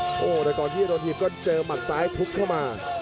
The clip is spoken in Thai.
โอ้โหแต่ก่อนที่จะโดนถีบก็เจอหมัดซ้ายทุบเข้ามา